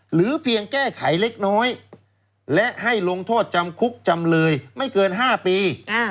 หรือเพียงแก้ไขเล็กน้อยและให้ลงโทษจำคุกจำเลยไม่เกิน๕ปี